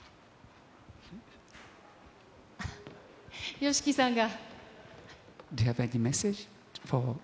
ＹＯＳＨＩＫＩさんが。